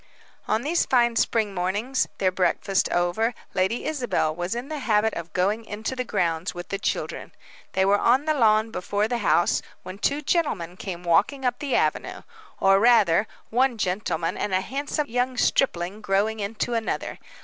On these fine spring mornings, their breakfast over, Lady Isabel was in the habit of going into the grounds with the children. They were on the lawn before the house, when two gentlemen came walking up the avenue; or, rather, one gentleman, and a handsome young stripling growing into another.